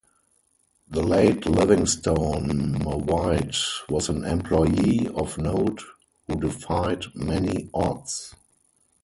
The late Livingstone Mahwite was an employee of note who defied many odds.